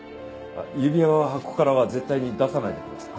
指輪は箱からは絶対に出さないでください。